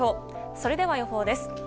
それでは予報です。